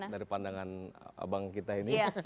dari pandangan abang kita ini